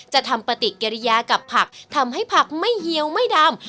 ทำปฏิกิริยากับผักทำให้ผักไม่เฮียวไม่ดำ